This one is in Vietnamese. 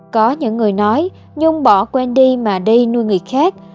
có những người nói nhung bỏ quên đi mà đi nuôi người khác